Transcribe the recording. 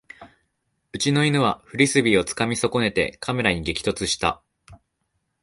うちの犬はフリスビーをつかみ損ねてカメラに激突した